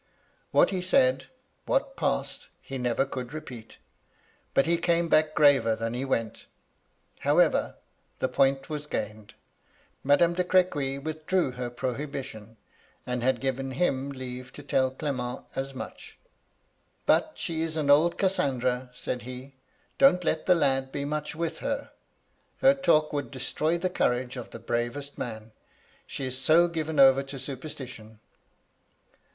" What he said, what passed, he never could repeat ; but he came back graver than he went. However, the point was gained ; Madame de Crequy withdrew her prohibition, and had given him leave to tell Clement as much. MY LADY LUDLOW. 123 But she is an old Cassandra,' said he. * Don't let the lad be much with her ; her talk would destroy the courage of the bravest man ; she is so given over to superstition.'